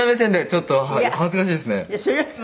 ちょっと恥ずかしいですね。